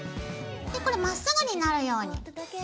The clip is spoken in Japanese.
これまっすぐになるように。